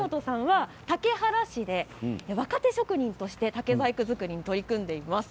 竹原市で若手職人として竹細工作りに取り組んでいます。